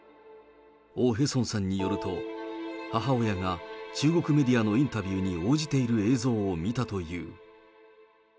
オ・ヘソンさんによると、母親が中国メディアのインタビューに応じている映像を見たという。